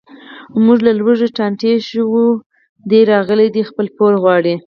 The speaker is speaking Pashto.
موږ له لوږې ټانټې ژویو، دی راغلی دی خپل پور غواړي.